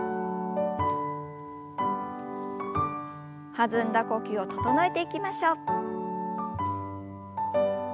弾んだ呼吸を整えていきましょう。